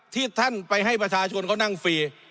ที่ท่านไปให้ประชาชนเขานั่งฟรี